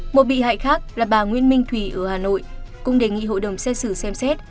một bị hại khác là bà nguyễn minh thủy ở hà nội cũng đề nghị hội đồng xét xử xem xét